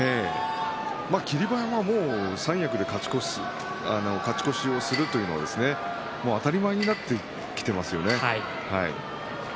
霧馬山も三役で勝ち越すというのは当たり前になってきていますよね。